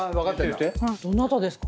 どなたですか？